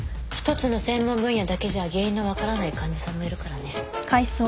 １つの専門分野だけじゃ原因の分からない患者さんもいるからね。